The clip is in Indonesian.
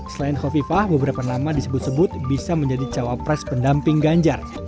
selain hovifah beberapa nama disebut sebut bisa menjadi cawapres pendamping ganjar